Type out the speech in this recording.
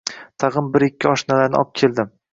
Tag‘in bir-ikki oshnalarni obkeldim